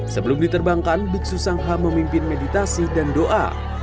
sebelum diterbangkan biksu sangha memimpin meditasi dan doa